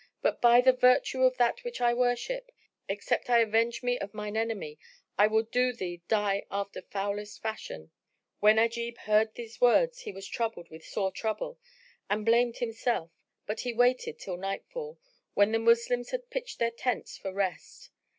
But by the virtue of that which I worship, except I avenge me of mine enemy I will do thee die after foulest fashion!" When Ajib heard these words he was troubled with sore trouble and blamed himself; but he waited till nightfall, when the Moslems had pitched their tents for rest.